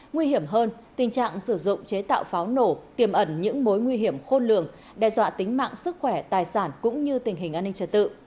nguy hiểm hơn tình trạng sử dụng chế tạo pháo nổ tiềm ẩn những mối nguy hiểm khôn lường đe dọa tính mạng sức khỏe tài sản cũng như tình hình an ninh trật tự